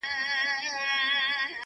o نې خپله خوري، نې بل ته ورکوي!